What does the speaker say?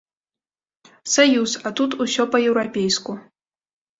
Саюз, а тут усё па-еўрапейску.